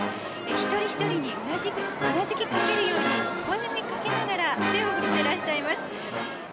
一人一人にうなずきかけるように、ほほえみかけながら手を振ってらっしゃいます。